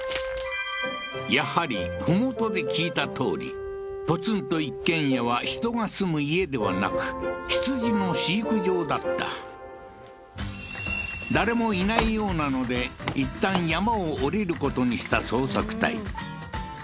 やはり麓で聞いたとおりポツンと一軒家は人が住む家ではなく羊の飼育場だった誰もいないようなので一旦山を下りることにした捜索隊